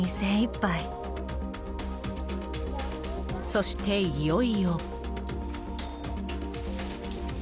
そして、いよいよ。